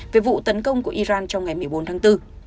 về vụ tấn công của iran trong ngày một mươi bốn tháng bốn